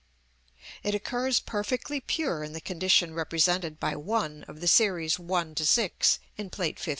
It occurs perfectly pure in the condition represented by 1 of the series 1 6, in Plate XV.